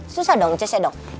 susah dong ncus ya dong